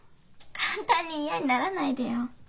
簡単に嫌にならないでよ。